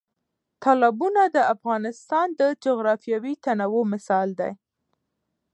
تالابونه د افغانستان د جغرافیوي تنوع مثال دی.